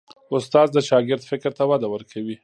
استاد د شاګرد فکر ته وده ورکوي.